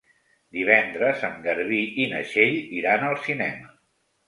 Divendres en Garbí i na Txell iran al cinema.